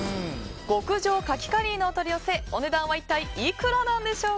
極上かきカリーのお取り寄せお値段一体いくらなんでしょうか。